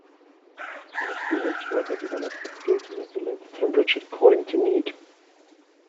An experienced worker develops the skill to regulate the temperature according to need.